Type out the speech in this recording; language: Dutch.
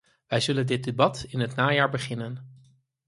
Wij zullen dit debat in het najaar beginnen.